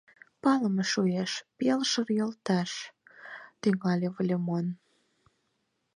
— Палыме шуэш, пелшыр йолташ, — тӱҥале Выльымон.